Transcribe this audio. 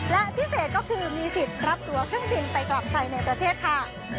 และพิเศษก็คือมีสิทธิ์รับตัวเครื่องบินไปกลับไทยในประเทศค่ะ